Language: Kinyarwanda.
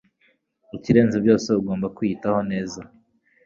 Ikirenze byose, ugomba kwiyitaho neza.